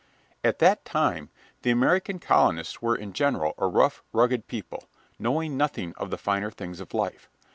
At that time the American colonists were in general a rough, rugged people, knowing nothing of the finer things of life.